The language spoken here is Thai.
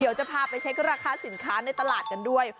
เดี๋ยวจะพาไปเช็คราคาสินค้าในตลาดกันด้วย